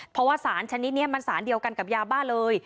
เพราะว่าสารชนิดนี้มันสารเดียวกันกับยาบ้าเลย